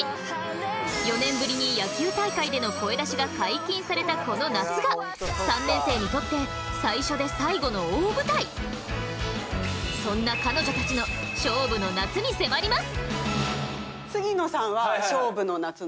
４年ぶりに野球大会での声出しが解禁されたこの夏が３年生にとってそんな彼女たちの勝負の夏に迫ります。